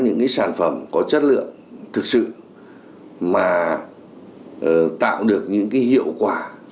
những cái sản phẩm có chất lượng thực sự mà tạo được những cái hiệu quả